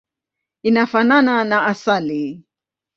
Inafanana na asali.